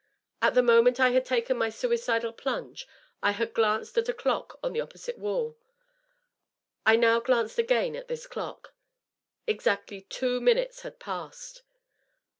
At the moment I had taken my suicidal plunge I had glanced at a clock on the opposite wall. I how glanced again at this clock. Exactly two minutes had passed.